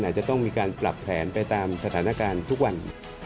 อาจจะต้องมีการปรับแผนไปตามสถานการณ์ทุกวัน